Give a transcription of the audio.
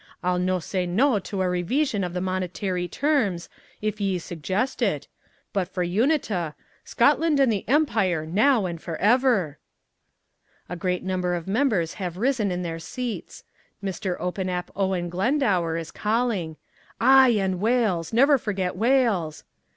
I'll no say no to a reveesion of the monetairy terms, if ye suggest it, but for unita Scotland and the Empire, now and forever!" A great number of members have risen in their seats. Mr. Open Ap Owen Glendower is calling: "Aye and Wales! never forget Wales."